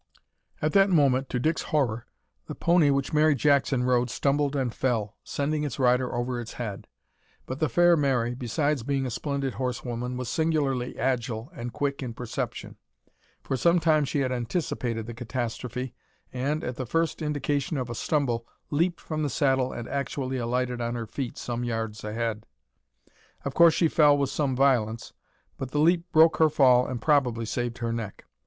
At that moment to Dick's horror, the pony which Mary Jackson rode stumbled and fell, sending its rider over its head. But the fair Mary, besides being a splendid horsewoman, was singularly agile and quick in perception. For some time she had anticipated the catastrophe, and, at the first indication of a stumble, leaped from the saddle and actually alighted on her feet some yards ahead. Of course she fell with some violence, but the leap broke her fall and probably saved her neck.